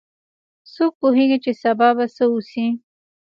څوک پوهیږي چې سبا به څه وشي